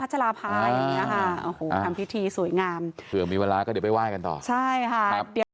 พัชราภายทำพิธีสวยงามเผื่อมีเวลาก็เดี๋ยวไปไหว้กันต่อใช่ค่ะ